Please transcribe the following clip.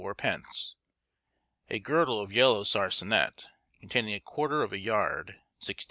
_; a girdle of yellow sarcenet, containing a quarter of a yard, 16_s.